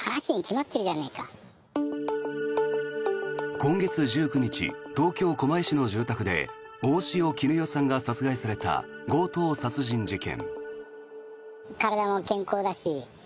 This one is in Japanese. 今月１９日東京・狛江市の住宅で大塩衣與さんが殺害された強盗殺人事件。